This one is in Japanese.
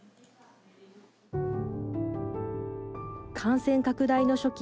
感染拡大の初期